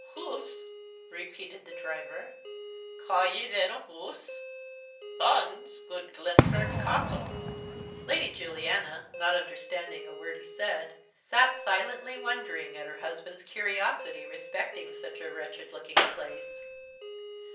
"Hoose!" repeated the driver; "ca' ye thon a hoose? Thon's gude Glenfern Castle." Lady Juliana, not understanding a word he said, sat silently wondering at her husband's curiosity respecting such a wretched looking place.